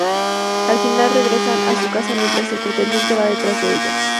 Al final regresan a su casa mientras el pretendiente va detrás de ellas.